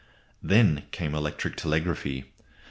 Then came electric telegraphy.